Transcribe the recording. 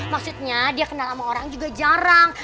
maksudnya dia kenal sama orang juga jarang